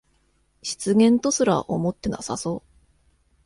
失言とすら思ってなさそう